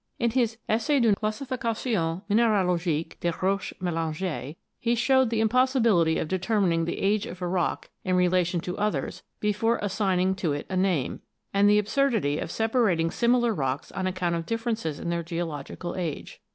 In his "Essai d'une classification min ralogique des Roches melange'es," he showed the im possibility of determining the age of a rock in relation to others before assigning to it a name, and the absurdity of separating similar rocks on account of differences in their geological age.